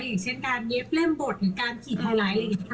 อย่างเช่นการเย็บเล่มบทหรือการขี่ไทไลท์